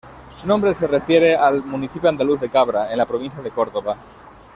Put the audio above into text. Su nombre se refiere al municipio andaluz de Cabra, en la provincia de Córdoba.